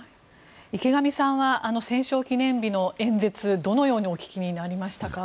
池上さんは戦勝記念日の演説をどのようにお聞きになりましたか。